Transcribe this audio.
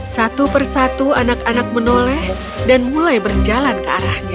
satu persatu anak anak menoleh dan mulai berjalan ke arahnya